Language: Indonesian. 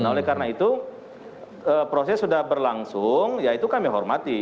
nah oleh karena itu proses sudah berlangsung ya itu kami hormati